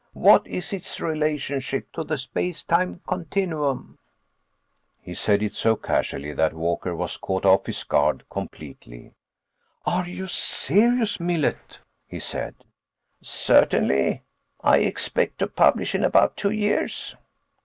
What is its relationship to the space time continuum—" He said it so casually that Walker was caught off his guard completely. "Are you serious, Millet?" he said. "Certainly. I expect to publish in about two years."